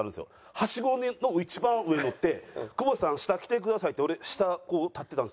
ハシゴの一番上のって久保田さん下来てくださいって俺下こう立ってたんです。